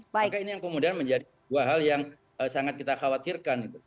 maka ini yang kemudian menjadi dua hal yang sangat kita khawatirkan